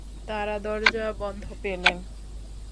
তাঁরা দরজা বন্ধ পেলেন।